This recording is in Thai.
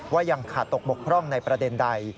ยังขาดตกบกพร่องในประเด็นใด